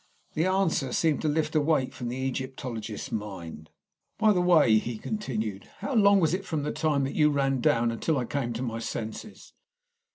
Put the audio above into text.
The answer seemed to lift a weight from the Egyptologist's mind. "By the way," he continued, "how long was it from the time that you ran down, until I came to my senses?"